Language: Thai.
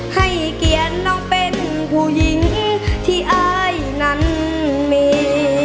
ให้เกียรติน้องเป็นผู้หญิงที่อายนั้นมี